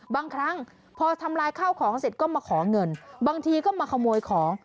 บางครั้งพอทำลายข้าวของเสร็จก็มาขอเงินบางทีก็มาขโมยของ